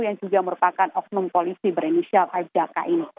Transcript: yang juga merupakan oknum polisi berenisial aja kak ini